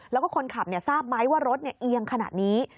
แล้วก็คนขับทราบไหมว่ารถเอียงขนาดนี้